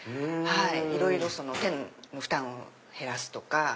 いろいろ手の負担減らすとか。